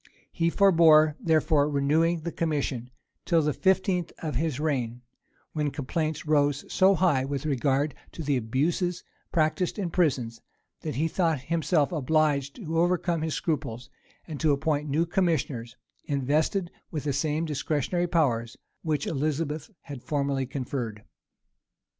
He forbore, therefore, renewing the commission, till the fifteenth of his reign; when complaints rose so high with regard to the abuses practised in prisons, that he thought himself obliged to overcome his scruples, and to appoint new commissioners, invested with the same discretionary powers which Elizabeth had formerly conferred.